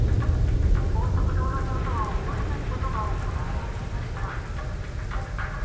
高速道路上とは思えないことが行われていました。